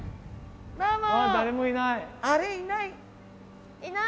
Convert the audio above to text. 誰もいない。